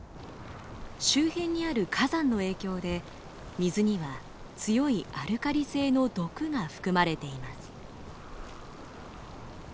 周辺にある火山の影響で水には強いアルカリ性の毒が含まれています。